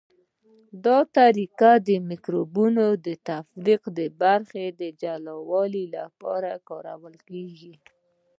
دا طریقه د مکروبونو د تفریق او برخو د جلاوالي لپاره کارول کیږي.